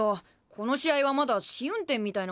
この試合はまだ試運転みたいなもんだし。